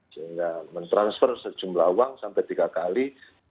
sehingga mentransfer sejumlah uang sampai tiga kali